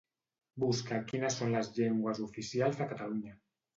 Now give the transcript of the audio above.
Busca quines són les llengües oficials de Catalunya.